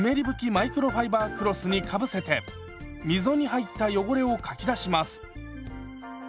マイクロファイバークロスにかぶせて溝に入った汚れをかき出します。